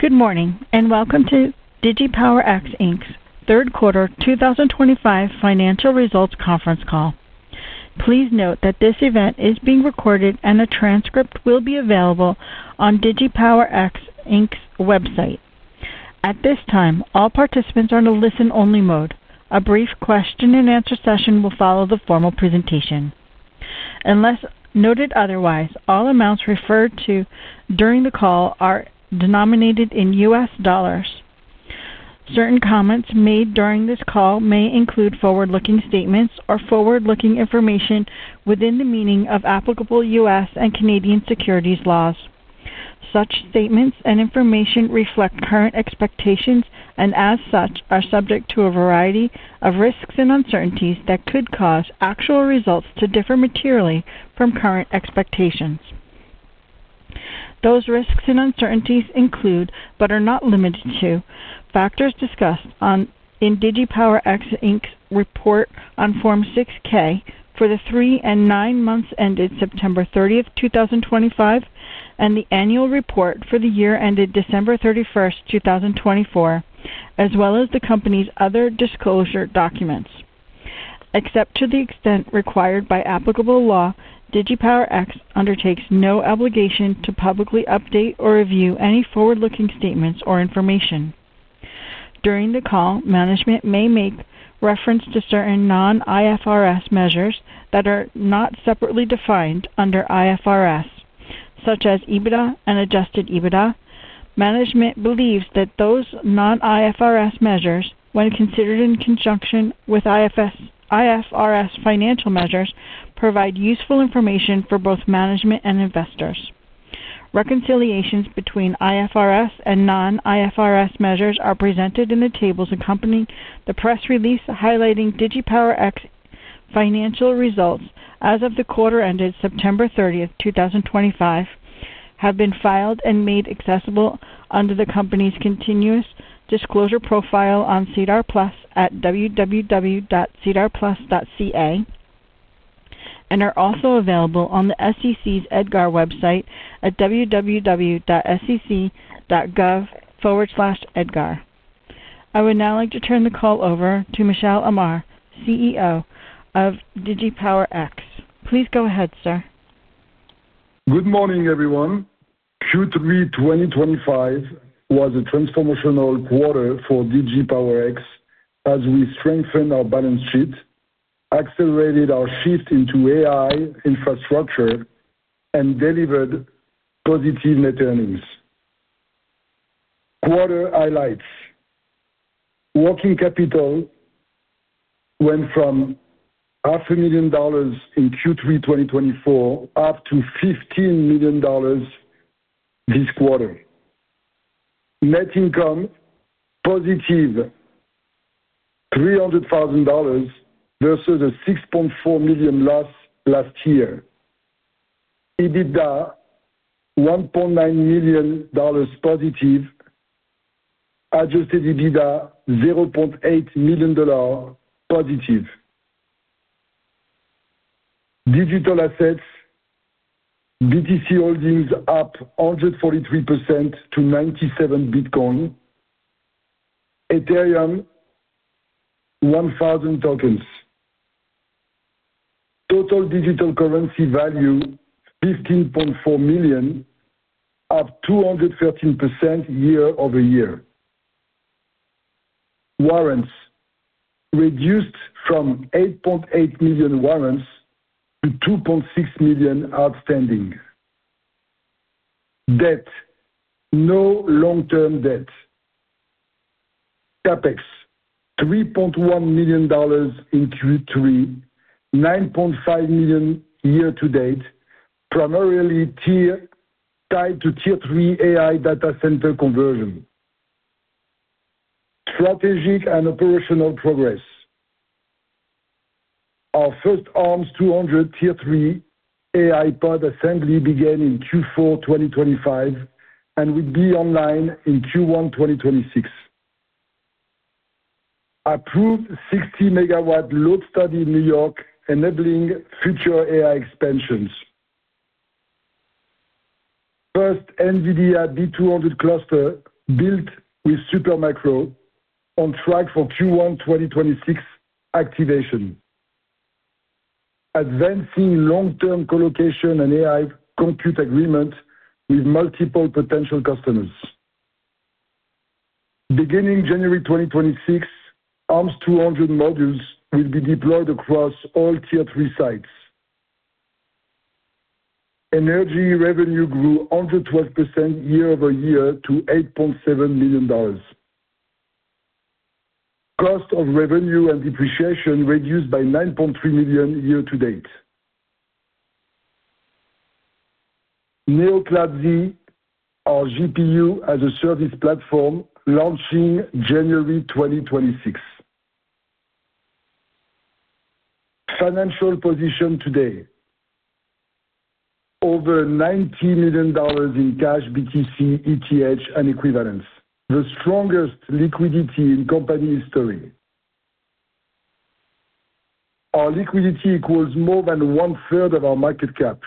Good morning, and welcome to DigiPower X Inc.'s Third Quarter 2025 Financial Results Conference Call. Please note that this event is being recorded, and a transcript will be available on DigiPower X Inc.'s website. At this time, all participants are in a listen-only mode. A brief question-and-answer session will follow the formal presentation. Unless noted otherwise, all amounts referred to during the call are denominated in U.S. dollars. Certain comments made during this call may include forward-looking statements, or forward-looking information within the meaning of applicable U.S. and Canadian securities laws. Such statements and information reflect current expectations, and as such, are subject to a variety of risks and uncertainties that could cause actual results to differ materially from current expectations. Those risks and uncertainties include, but are not limited to, factors discussed in DigiPower X Inc.'s report on Form 6-K for the three and nine months ended September 30th, 2025, and the annual report for the year ended December 31st, 2024, as well as the company's other disclosure documents. Except to the extent required by applicable law, DigiPower X undertakes no obligation to publicly update or review any forward-looking statements or information. During the call, management may make reference to certain non-IFRS measures that are not separately defined under IFRS, such as EBITDA and adjusted EBITDA. Management believes that those non-IFRS measures, when considered in conjunction with IFRS financial measures, provide useful information for both management and investors. Reconciliations between IFRS and non-IFRS measures are presented in the tables accompanying the press release highlighting DigiPower X financial results as of the quarter ended September 30th, 2025, have been filed and made accessible under the company's continuous disclosure profile on SEDAR+ at www.sedarplus.ca, and are also available on the SEC's EDGAR website at www.sec.gov/edgar. I would now like to turn the call over to Michel Amar, CEO of DigiPower X. Please go ahead, sir. Good morning, everyone. Q3 2025 was a transformational quarter for DigiPower X, as we strengthened our balance sheet, accelerated our shift into AI infrastructure and delivered positive net earnings. Quarter highlights, working capital went from $500,000 in Q3 2024 up to $15 million this quarter. Net income is +$300,000 versus a $6.4 million loss last year. EBITDA, $1.9 million positive, adjusted EBITDA $0.8 million positive. Digital assets, BTC holdings up 143% to 97 Bitcoin. Ethereum, 1,000 tokens. Total digital currency value, $15.4 million, up 213% year-over-year. Warrants reduced from 8.8 million warrants to 2.6 million outstanding. Debt, no long-term debt. CapEx, $3.1 million in Q3, $9.5 million year-to-date, primarily tied to tier 3 AI data center conversion. Strategic and operational progress. Our first ARMS 200 tier 3 AI pod assembly began in Q4 2025, and will be online in Q1 2026. Approved 60-MW load study in New York, enabling future AI expansions. First NVIDIA B200 cluster built with Supermicro on track for Q1 2026 activation. Advancing long-term colocation and AI compute agreement with multiple potential customers. Beginning January 2026, ARMS 200 modules will be deployed across all tier 3 sites. Energy revenue grew 112% year-over-year to $8.7 million. Cost of revenue and depreciation reduced by $9.3 million year-to-date. NeoCloud Z, our GPU-as-a-Service platform, launching January 2026. Financial position today, over $90 million in cash, BTC, ETH, and equivalents, the strongest liquidity in company history. Our liquidity equals more than 1/3 of our market cap.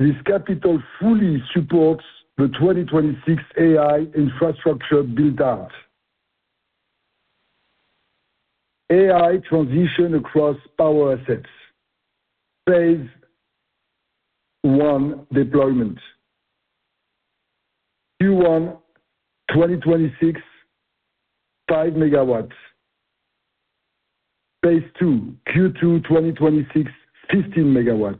This capital fully supports the 2026 AI infrastructure build-out. AI transition across power assets. Phase I deployment, Q1 2026, 5 MW. Phase II, Q2 2026, 15 MW.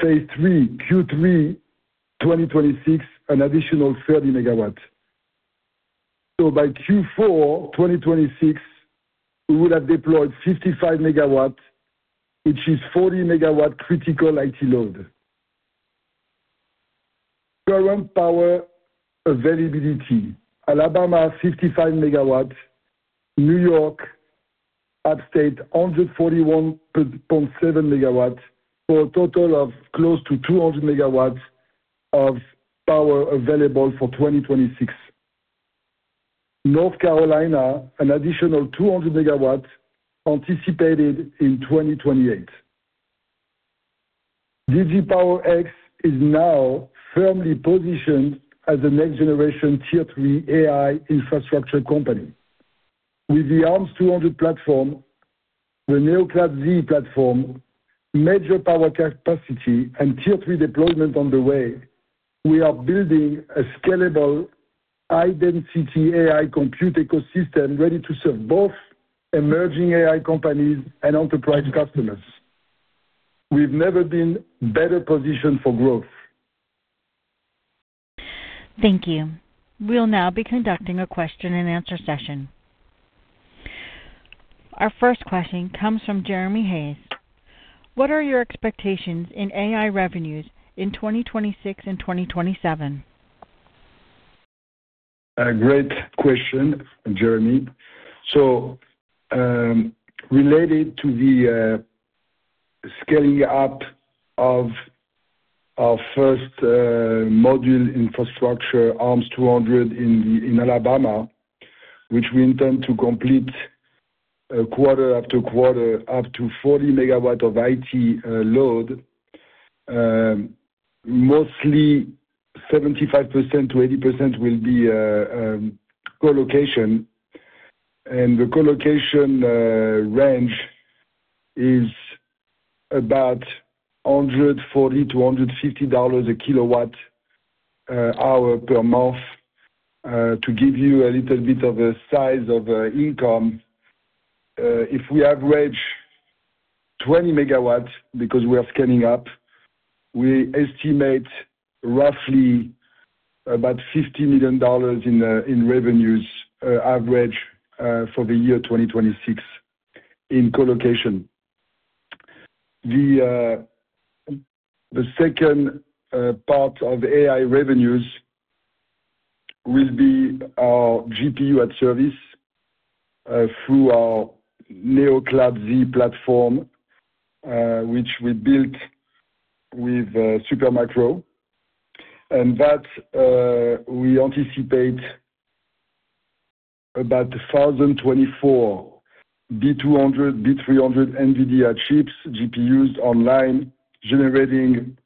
Phase III, Q3 2026, an additional 30 MW. By Q4 2026, we would have deployed 55 MW, which is 40 MW critical IT load. Current power availability, Alabama, 55 MW. New York Upstate, 141.7 MW for a total of close to 200 MW of power available for 2026. North Carolina, an additional 200 MW anticipated in 2028. DigiPower X is now firmly positioned as a next-generation tier 3 AI infrastructure company. With the ARMS 200 platform, the NeoCloud Z platform, major power capacity and tier 3 deployment on the way, we are building a scalable high-density AI compute ecosystem ready, to serve both emerging AI companies and enterprise customers. We've never been better positioned for growth. Thank you. We'll now be conducting a question-and-answer session. Our first question comes from Jeremy Hayes. What are your expectations in AI revenues in 2026 and 2027? Great question, Jeremy. Related to the scaling up of our first module infrastructure, ARMS 200 in Alabama, which we intend to complete quarter after quarter, up to 40 MW of IT load, mostly 75%-80% will be colocation. The colocation range is about $140-$150 a kilowatt-hour per month. To give you a little bit of a size of income, if we average 20 MW because we are scaling up, we estimate roughly about $50 million in revenues average for the year 2026 in colocation. The second part of AI revenues will be our GPU-as-a-service through our NeoCloud Z platform, which we built with Supermicro. We anticipate about 1,024 B200, B300 NVIDIA chips, GPUs online, generating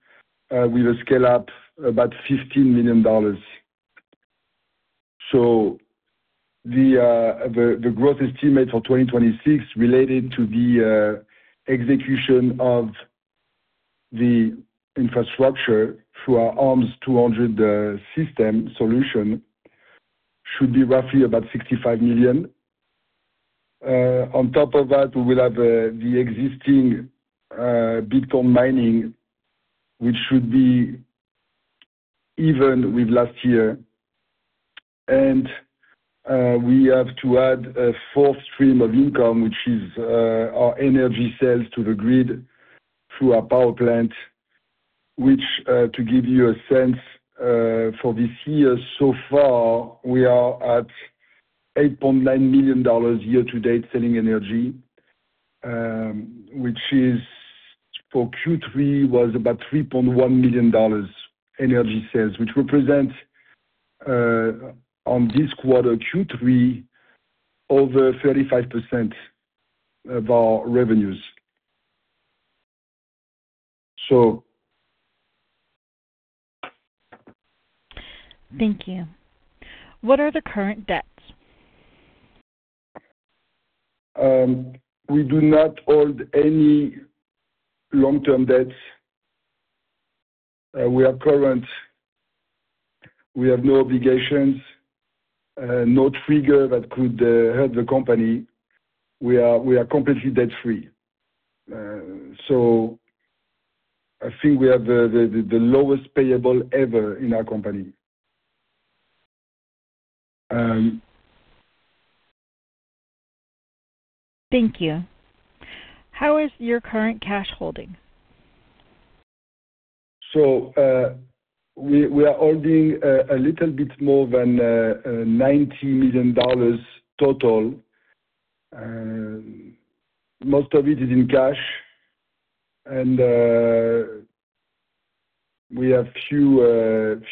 with a scale-up, about $15 million. The growth estimate for 2026 related to the execution of the infrastructure through our ARMS 200 system solution, should be roughly about $65 million. On top of that, we will have the existing Bitcoin mining, which should be even with last year, we have to add a fourth stream of income, which is our energy sales to the grid through our power plant, which to give you a sense for this year so far, we are at $8.9 million year-to-date selling energy, which for Q3 was about $3.1 million energy sales, which represents on this quarter, Q3, over 35% of our revenues. Thank you. What are the current debts? We do not hold any long-term debts. We are current. We have no obligations, no trigger that could hurt the company. We are completely debt-free. I think we have the lowest payable ever in our company. Thank you. How is your current cash holding? We are holding a little bit more than $90 million total. Most of it is in cash. We have a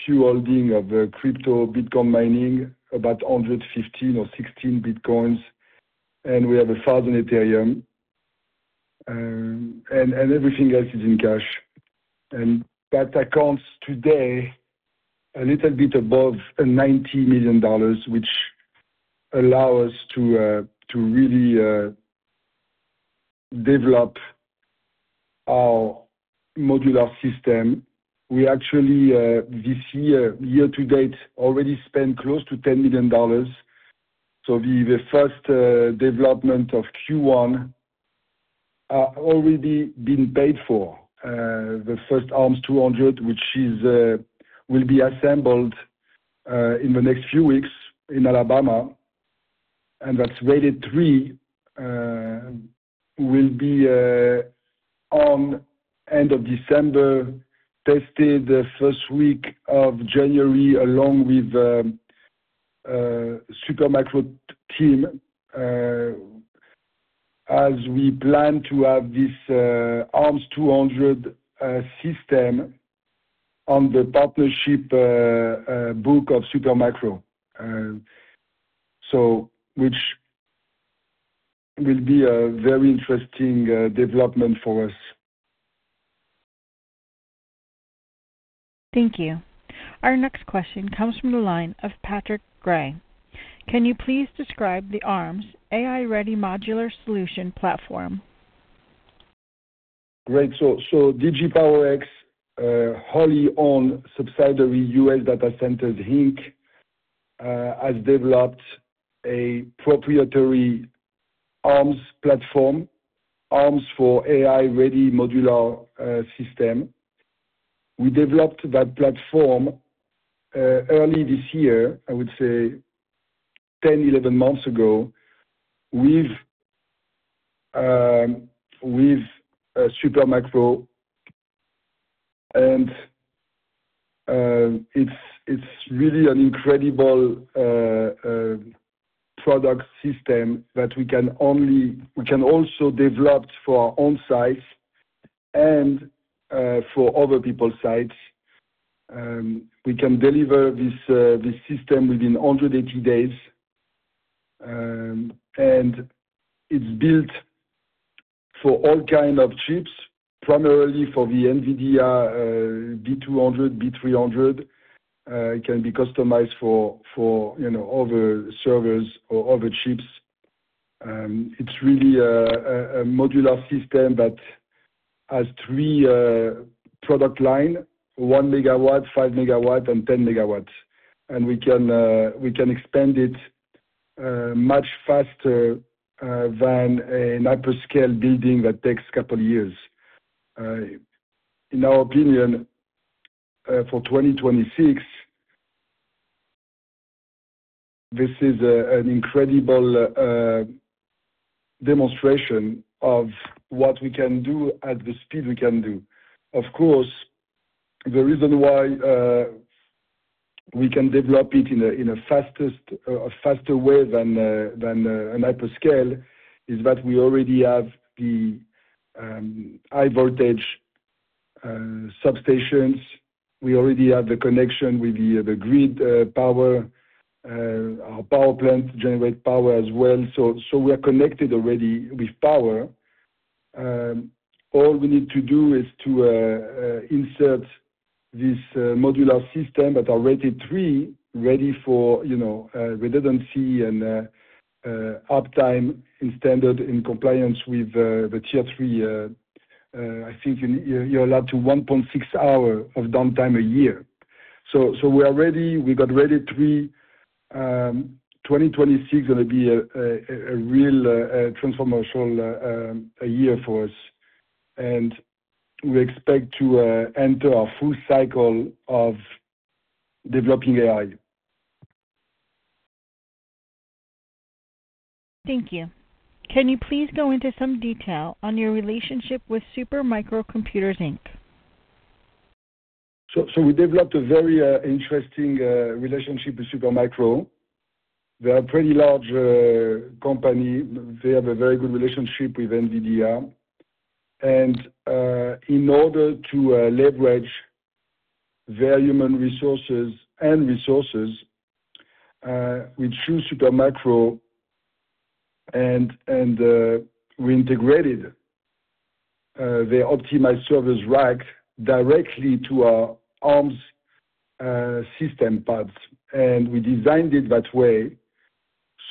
few holdings of crypto Bitcoin mining, about 115 or 116 Bitcoins. We have 1,000 Ethereum. Everything else is in cash. That accounts today, a little bit above $90 million, which allows us to really develop our modular system. We actually, this year, year-to-date, already spent close to $10 million. The first development of Q1 has already been paid for. The first ARMS 200, which will be assembled in the next few weeks in Alabama and that is rated three, will be on end of December. Tested the first week of January, along with the Supermicro team as we plan to have this ARMS 200 system on the partnership book of Supermicro, which will be a very interesting development for us. Thank you. Our next question comes from the line of Patrick Gray. Can you please describe the ARMS AI-ready modular solution platform? Great. DigiPower X, wholly owned subsidiary US Data Centers Inc., has developed a proprietary ARMS platform, ARMS for AI-ready modular system. We developed that platform early this year, I would say 10, 11 months ago with Supermicro. It's really an incredible product system that we can also develop for our own sites and for other people's sites. We can deliver this system within 180 days. It's built for all kinds of chips, primarily for the NVIDIA B200, B300. It can be customized for other servers or other chips. It is really a modular system that has three product lines, 1 MW, 5 MW, and 10 MW. We can expand it much faster than a hyperscale building that takes a couple of years. In our opinion, for 2026, this is an incredible demonstration of what we can do at the speed we can do. Of course, the reason why we can develop it in a faster way than a hyperscale, is that we already have the high-voltage substations. We already have the connection with the grid power. Our power plants generate power as well, so we are connected already with power. All we need to do is to insert this modular system that we're rated three, ready for redundancy and uptime in standard in compliance with the tier 3. I think you're allowed to 1.6 hours of downtime a year, so we got rated three. 2026 is going to be a real transformational year for us, and we expect to enter our full cycle of developing AI. Thank you. Can you please go into some detail on your relationship with Supermicro Computers Inc.? We developed a very interesting relationship with Supermicro. They are a pretty large company. They have a very good relationship with NVIDIA. In order to leverage their human resources and resources, we chose Supermicro and we integrated their optimized service rack directly to our ARMS system pods. We designed it that way.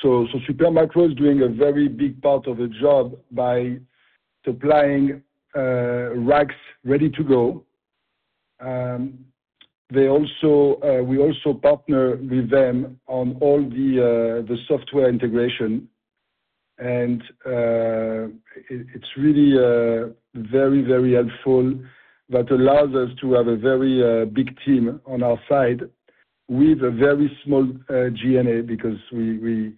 Supermicro is doing a very big part of the job by supplying racks ready to go. We also partner with them on all the software integration, and it's really very, very helpful. That allows us to have a very big team on our side with a very small GNA, because we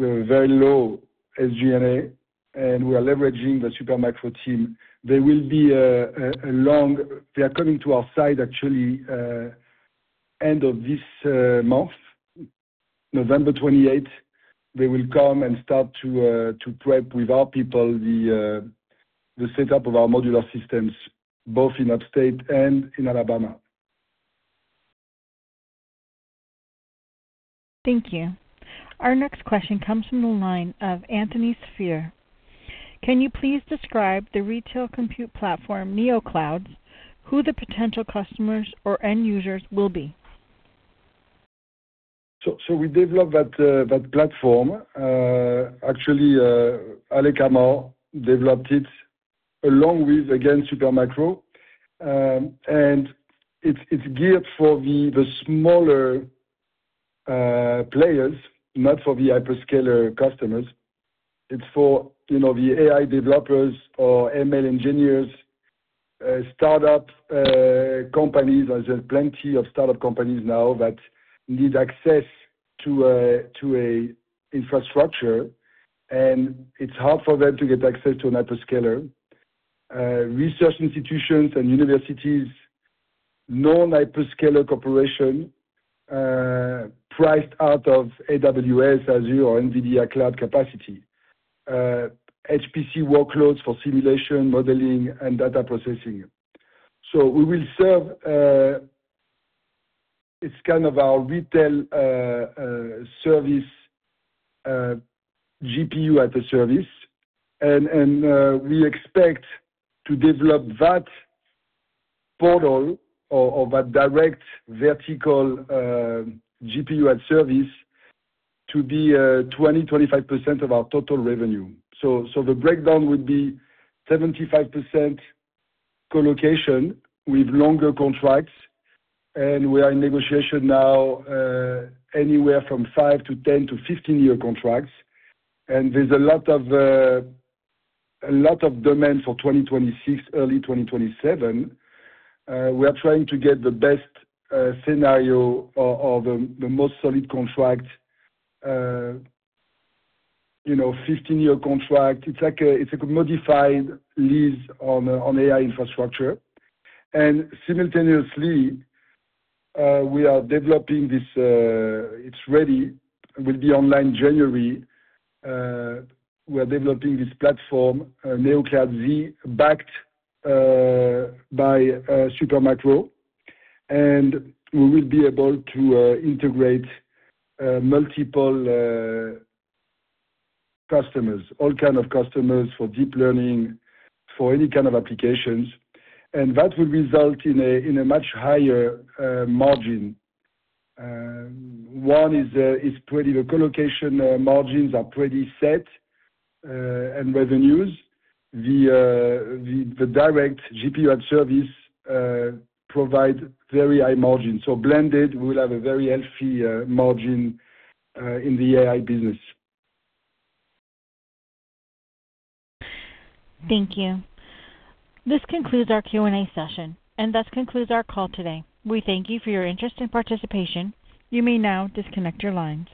have a very low SGNA and we are leveraging the Supermicro team. They are coming to our side actually end of this month, November 28. They will come and start to prep with our people the setup of our modular systems, both in Upstate and in Alabama. Thank you. Our next question comes from the line of Anthony Sphere. Can you please describe the retail compute platform NeoCloud, who the potential customers or end users will be? We developed that platform. Actually, Alec Amar developed it along with again, Supermicro. It's geared for the smaller players, not for the hyperscaler customers. It's for the AI developers or ML engineers start-up companies. There are plenty of startup companies now that need access to an infrastructure. It is hard for them to get access to a hyperscaler. Research institutions and universities, non-hyperscaler corporations priced out of AWS, Azure, or NVIDIA cloud capacity, HPC workloads for simulation, modeling, and data processing. It's kind of our retail service, GPU-as-a-service. We expect to develop that portal or that direct vertical GPU-as-a-service to be 20%-25% of our total revenue. The breakdown would be 75% colocation with longer contracts. We are in negotiation now, anywhere from five to 10- to 15-year contracts. There is a lot of demand for 2026, early 2027. We are trying to get the best scenario or the most solid contract, 15-year contract. It's like a modified lease on AI infrastructure. Simultaneously, it is ready, it will be online in January. We are developing this platform, NeoCloud Z, backed by Supermicro. We will be able to integrate multiple customers, all kinds of customers for deep learning, for any kind of applications. That will result in a much higher margin. The colocation margins are pretty set and revenues. The direct GPU at service provides very high margins, so blended, we will have a very healthy margin in the AI business. Thank you. This concludes our Q&A session. That concludes our call today. We thank you for your interest and participation. You may now disconnect your lines.